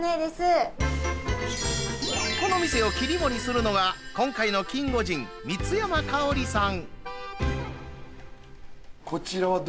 この店を切り盛りするのは今回のキンゴジン光山加織さん。